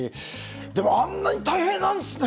でもあんなに大変なんですね！